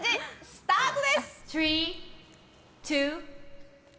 スタートです。